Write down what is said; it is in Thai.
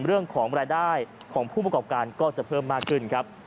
เรื่องของรายได้ของผู้ประกอบการก็จะเพิ่มมากขึ้นครับ